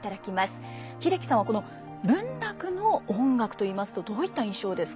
英樹さんはこの文楽の音楽といいますとどういった印象ですか？